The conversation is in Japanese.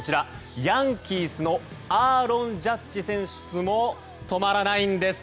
ヤンキースのアーロン・ジャッジ選手も止まらないんです。